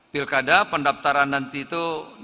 pilkada pendaftaran nanti itu